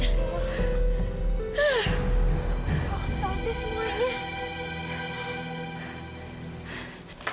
oh nanti semuanya